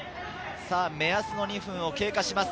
目安の２分を経過します。